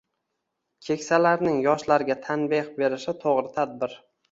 Keksalarning yoshlarga tanbeh berishi to’g’ri tadbir.